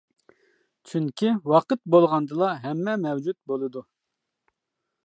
چۈنكى، ۋاقىت بولغاندىلا ھەممە مەۋجۇت بولىدۇ.